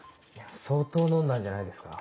相当飲んだんじゃないですか？